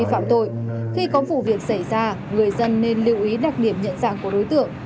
phạm tội khi có vụ việc xảy ra người dân nên lưu ý đặc điểm nhận dạng của đối tượng